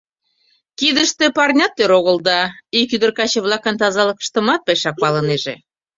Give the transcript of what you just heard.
Кидыште парнят тӧр огыл да... — ик ӱдыр каче-влакын тазалыкыштымат пешак палынеже.